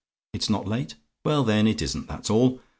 "IT'S NOT LATE? "Well, then, it isn't, that's all.